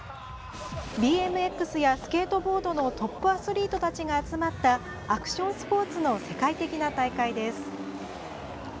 ＢＭＸやスケートボードのトップアスリートたちが集まったアクションスポーツの世界的な大会です。